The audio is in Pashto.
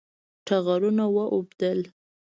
ټغرونه واوبدل